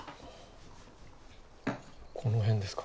この辺ですか？